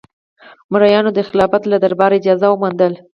مریانو د خلافت له دربار اجازه وموندله.